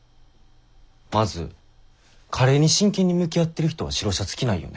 まずカレーに真剣に向き合ってる人は白シャツ着ないよね。